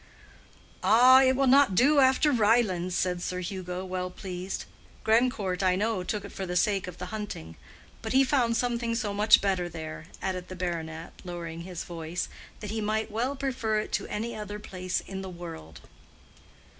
"Ah! it will not do after Ryelands," said Sir Hugo, well pleased. "Grandcourt, I know, took it for the sake of the hunting. But he found something so much better there," added the baronet, lowering his voice, "that he might well prefer it to any other place in the world."